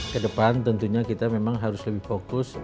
ke depan tentunya kita memang harus lebih fokus